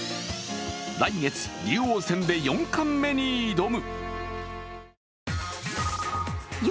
来月竜王戦で四冠目に挑む。